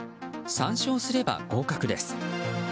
３勝すれば合格です。